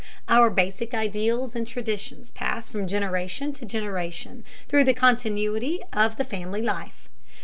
Our basic ideals and traditions pass from generation to generation through the continuity of the family life.